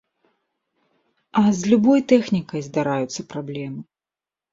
А з любой тэхнікай здараюцца праблемы.